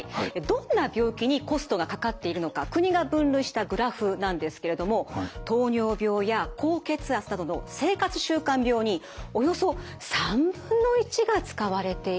どんな病気にコストがかかっているのか国が分類したグラフなんですけれども糖尿病や高血圧などの生活習慣病におよそ３分の１が使われているんです。